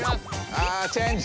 あチェンジ。